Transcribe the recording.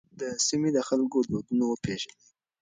د سیمې د خلکو دودونه وپېژنئ.